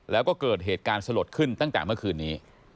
แล้วก็เกิดเหตุการณ์สลดขึ้นตั้งแต่เมื่อคืนนี้